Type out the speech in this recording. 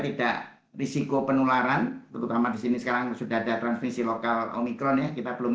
tidak risiko penularan terutama di sini sekarang sudah ada transmisi lokal omikron ya kita belum